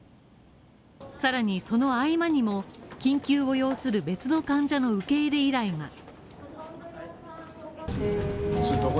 更にその合間にも、緊急を要する別の患者の受け入れ依頼が。